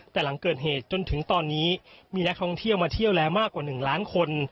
แต่หลังเกิดเหตุจนถึงตอนนี้มีนักท่องเที่ยวมาเที่ยวแล้วมากกว่า๑ล้านคน